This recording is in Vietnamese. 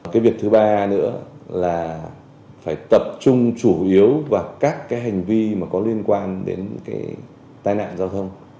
cái việc thứ ba nữa là phải tập trung chủ yếu vào các cái hành vi mà có liên quan đến cái tai nạn giao thông